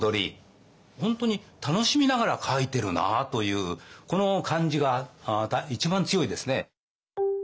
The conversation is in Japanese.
本当に楽しみながら描いてるなというこの感じが一番強いですね。